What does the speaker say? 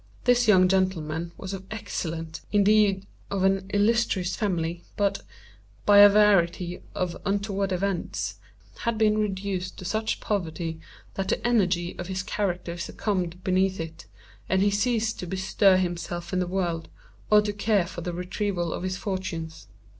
This young gentleman was of an excellent, indeed of an illustrious family, but, by a variety of untoward events, had been reduced to such poverty that the energy of his character succumbed beneath it, and he ceased to bestir himself in the world, or to care for the retrieval of his fortunes.